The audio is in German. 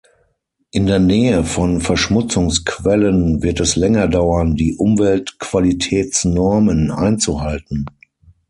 In der Nähe von Verschmutzungsquellen wird es länger dauern, die Umweltqualitätsnormen einzuhalten.